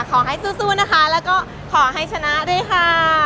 ขอให้สู้นะคะแล้วก็ขอให้ชนะด้วยค่ะ